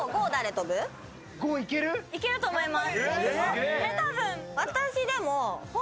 いけると思います。